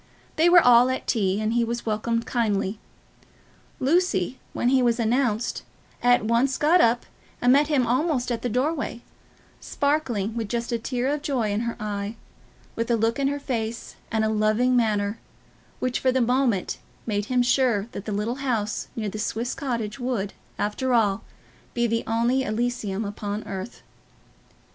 They were all at tea, and he was welcomed kindly. Lucy, when he was announced, at once got up and met him almost at the doorway, sparkling with just a tear of joy in her eye, with a look in her face, and a loving manner, which for the moment made him sure that the little house near the Swiss Cottage would, after all, be the only Elysium upon earth.